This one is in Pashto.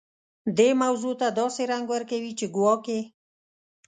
دې موضوع ته داسې رنګ ورکوي چې ګواکې.